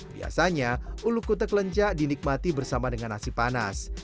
biasanya ulu kutek lenca dinikmati bersama dengan nasi panas